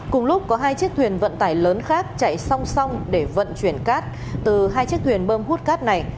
cùng lúc có hai chiếc thuyền vận tải lớn khác chạy song song để vận chuyển cát từ hai chiếc thuyền bơm hút cát này